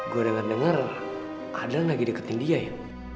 gue denger denger ada yang lagi deketin dia ya